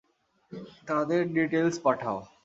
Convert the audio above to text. তাদের ডিটেইলস পাঠাও।